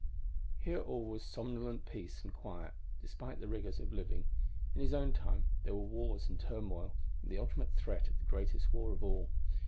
Here all was somnolent peace and quiet, despite the rigors of living; in his own time there were wars and turmoil and the ultimate threat of the greatest war of all.